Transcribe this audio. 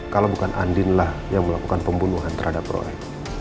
kalau bukan andi lah yang melakukan pembunuhan terhadap roy